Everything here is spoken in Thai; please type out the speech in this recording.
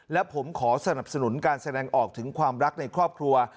และผมขอสนับสนุนการแสดงออกถึงความรักในครอบครัว